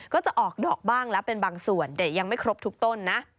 ก็จะออกดอกบ้างแล้วเป็นบางส่วนแต่ยังไม่ครบทุกต้นนะ